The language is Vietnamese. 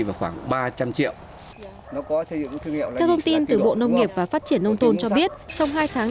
vào khoảng ba trăm linh triệu theo thông tin từ bộ nông nghiệp và phát triển nông thôn cho biết trong hai tháng